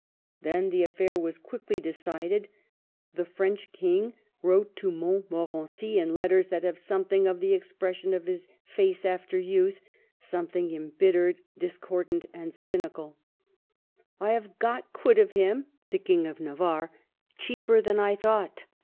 Then the affair was quickly decided. The French King wrote to Mont morency in letters that have something of the expression of his face after youth, — some thing embittered, discordant, and cynical :— 304 MARGARET OF ANGOULEIME. " I have got quit of him [the King of Navarre] cheaper than I thought.